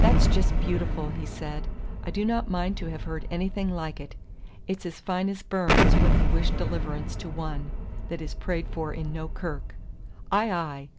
"That's just beautiful," he said. "I do not mind to have heard anything like it; it's as fine as Burns when he wished deliverance to one that is prayed for in no kirk. Ay, ay!